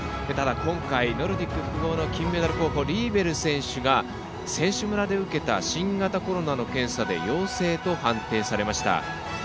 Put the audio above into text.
ただ今回、ノルディック複合の金メダル候補リーベル選手が選手村で受けた新型コロナの検査で陽性と判定されました。